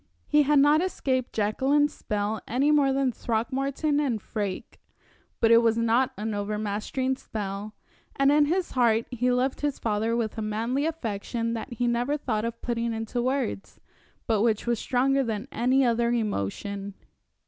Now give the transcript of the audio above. He had not escaped Jacqueline's spell any more than Throckmorton and Freke; but it was not an overmastering spell, and in his heart he loved his father with a manly affection that he never thought of putting into words, but which was stronger than any other emotion.